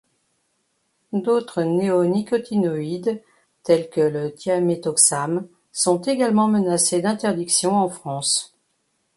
D'autres néonicotinoïdes, tels que le thiaméthoxame, sont également menacés d'interdiction en France.